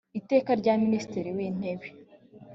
iteka rya minisitiri w intebe